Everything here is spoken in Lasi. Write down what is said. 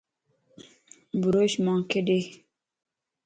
بروش مانک ڏي